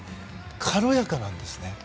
軽やかなんですね。